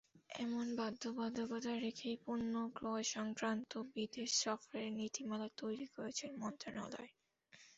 এমন বাধ্যবাধকতা রেখেই পণ্য ক্রয়সংক্রান্ত বিদেশ সফরের নীতিমালা তৈরি করেছে মন্ত্রণালয়।